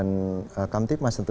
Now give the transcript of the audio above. menjaga kehamilan ketituan masyarakat